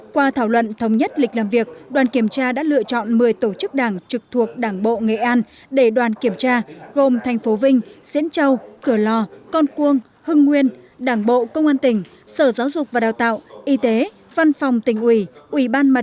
qua thảo luận thống nhất lịch làm việc đoàn kiểm tra đã lựa chọn một mươi tổ chức đảng trực thuộc đảng bộ nghệ an để đoàn kiểm tra gồm thành phố vinh diễn châu cửa lò con cuông hưng nguyên đảng bộ công an tỉnh sở giáo dục và đào tạo y tế văn phòng tỉnh ủy